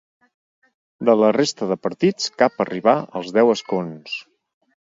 De la resta de partits, cap arribà als deu escons.